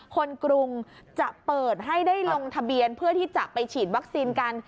กรุงจะเปิดให้ได้ลงทะเบียนเพื่อที่จะไปฉีดวัคซีนกัน